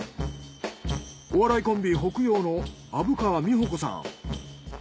お笑いコンビ北陽の虻川美穂子さん。